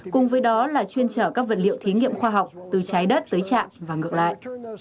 cùng với đó là chuyên trở các vật liệu thí nghiệm khoa học từ trái đất tới trạm và ngược lại